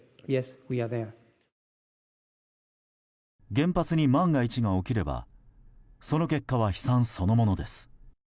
原発に万が一が起きればその結果は悲惨そのものです。